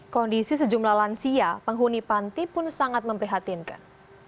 kondisi sejumlah lansia penghuni panti pun sangat memprihatinkan